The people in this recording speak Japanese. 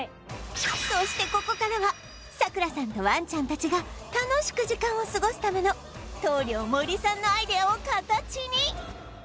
そしてここからはさくらさんとワンちゃんたちが楽しく時間を過ごすための棟梁森さんのアイデアを形に